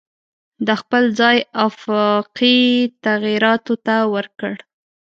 دا خپل ځای آفاقي تغییراتو ته ورکړ.